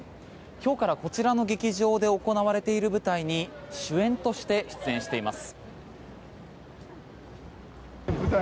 今日からこちらの劇場で行われている舞台に主演として出演しています。